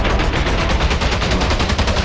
ya udah kakaknya sudah selesai